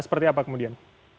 seperti apa kemudian